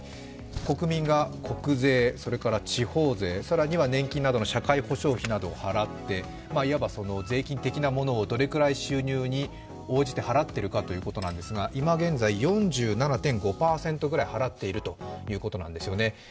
国民が国税、地方税、更には年金などの社会保障費を払っていわば税金的なものをどれくらい収入に応じて払っているかということなんですが、今現在、４７．５％ぐらい払っているということなんですよね。